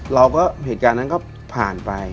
เหตุการณ์นั้นก็ผ่านไป